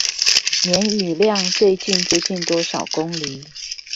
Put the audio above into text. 年雨量最接近多少公釐？